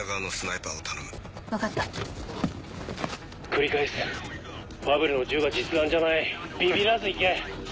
繰り返すファブルの銃は実弾じゃないビビらず行け。